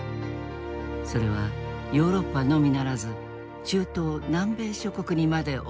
それはヨーロッパのみならず中東南米諸国にまで及んだ。